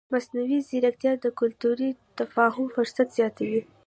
مصنوعي ځیرکتیا د کلتوري تفاهم فرصت زیاتوي.